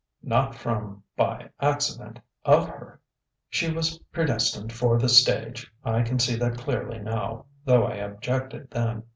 "Not from by accident, of her. She was predestined for the stage I can see that clearly now, though I objected then.